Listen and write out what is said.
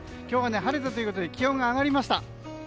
今日は、晴れたということで気温が上がりました。